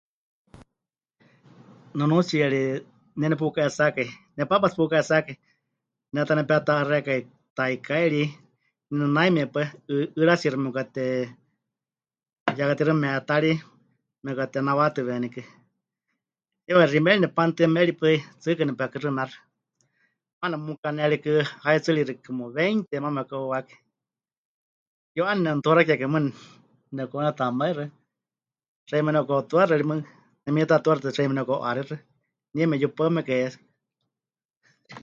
Nunuutsiyari ne nepuka'etsákai, nepaapa tsɨ puka'etsákai, ne ta nepeta'axékai taikái ri, naime pues, 'ɨ... 'ɨɨratsiixi memɨkate... ya katixaɨ meetári, memɨkatenawátɨwenikɨ, heiwa xiimeri nepanutɨa, meri paɨ 'i, tsɨɨkɨ nepekɨxɨnáxɨ, maana nemukané rikɨ haitsɨ́riixi como veinte maana mepɨka'uuwákai, ke mɨ'ane nemɨtuaxakekai maana nepɨkahenetamaixɨa, xeíme nepɨka'utuaxirɨ ri mɨɨkɨ, nemitatuaxixɨ tɨtɨ xeíme nepɨka'u'axixɨ, nie mepɨyupaɨmekai es que.